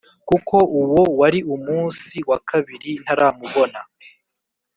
kuko uwo wari umusi wakabiri ntaramubona.